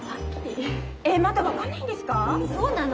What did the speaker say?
そうなの。